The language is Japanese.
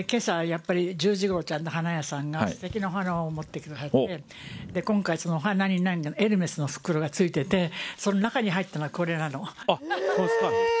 やっぱり１０時ごろ、ちゃんと花屋さんがすてきなお花を持ってきてくださって、今回、そのお花に、エルメスの袋がついてて、その中に入ってたのがこれあっ、このスカーフ？